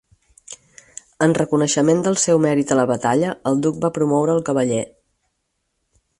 En reconeixement del seu mèrit a la batalla, el duc va promoure'l cavaller.